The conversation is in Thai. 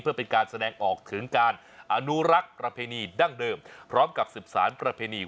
เพื่อเป็นการแสดงออกถึงการอนุรักษ์ประเพณีดั้งเดิมพร้อมกับสืบสารประเพณี